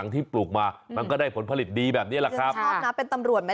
ทีนี้แหละครับโอ้โห